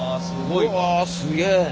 うわすげえ。